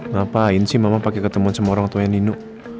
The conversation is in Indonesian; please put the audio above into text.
ngapain sih mama pake ketemuan sama orang tuanya nino